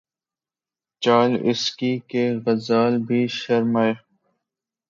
چال اس کی کہ، غزال بھی شرمائیں